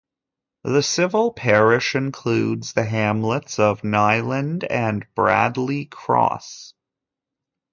The civil parish includes the hamlets of Nyland and Bradley Cross.